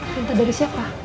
perintah dari siapa